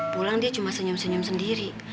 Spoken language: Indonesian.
pulang dia cuma senyum senyum sendiri